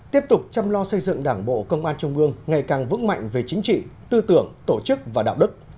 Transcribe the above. tiếp tục chăm lo xây dựng đảng bộ công an trung ương ngày càng vững mạnh về chính trị tư tưởng tổ chức và đạo đức